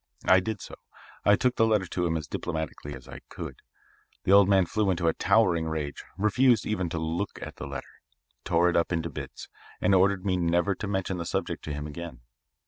I did so. I took the letter to him as diplomatically as I could. The old man flew into a towering rage, refused even to look at the letter, tore it up into bits, and ordered me never to mention the subject to him again.